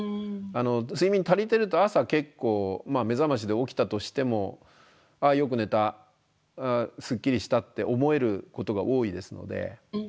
睡眠足りてると朝結構目覚ましで起きたとしてもああよく寝たすっきりしたって思えることが多いですので。